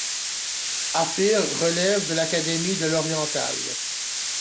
Ahfir relève de l'académie de l'Oriental.